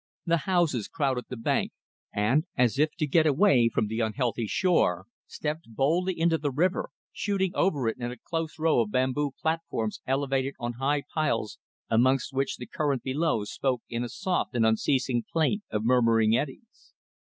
The houses crowded the bank, and, as if to get away from the unhealthy shore, stepped boldly into the river, shooting over it in a close row of bamboo platforms elevated on high piles, amongst which the current below spoke in a soft and unceasing plaint of murmuring eddies.